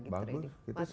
bagus itu masih berhasil